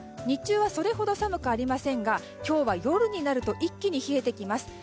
日中はそれほど寒くありませんが今日は夜になると一気に冷えてきます。